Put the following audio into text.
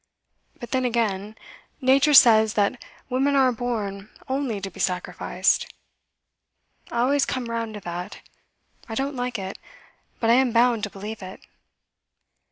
But then again, Nature says that women are born only to be sacrificed. I always come round to that. I don't like it, but I am bound to believe it.